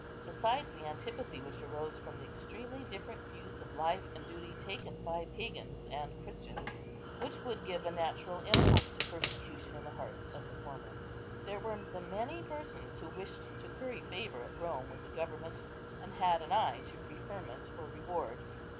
Besides the antipathy which arose from the extremely different views of life and duty taken by pagans and Christians, which would give a natural impulse to persecution in the hearts of the former, there were the many persons who wished to curry favour at Rome with the government, and had an eye to preferment or reward.